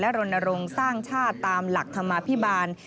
รณรงค์สร้างชาติตามหลักธรรมาภิบาล